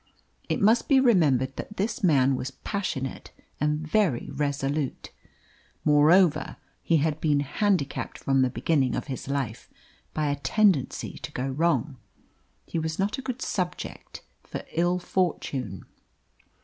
It must be remembered that this man was passionate and very resolute. Moreover he had been handicapped from the beginning of his life by a tendency to go wrong. He was not a good subject for ill fortune.